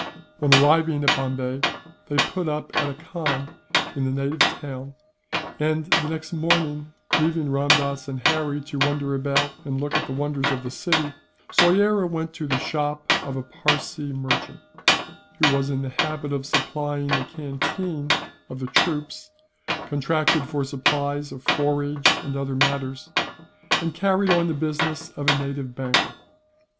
On arriving at Bombay they put up at a khan, in the native town and, the next morning, leaving Ramdass and Harry to wander about and look at the wonders of the city, Soyera went to the shop of a Parsee merchant, who was in the habit of supplying the canteen of the troops, contracted for supplies of forage and other matters, and carried on the business of a native banker.